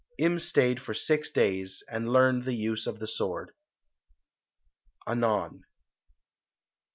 Im stayed for six days and learned the use of the sword. Anon.